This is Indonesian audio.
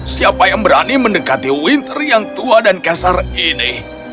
siapa yang berani mendekati winter yang tua dan kasar ini